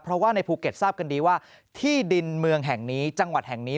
เพราะว่าในภูเก็ตทราบกันดีว่าที่ดินเมืองแห่งนี้จังหวัดแห่งนี้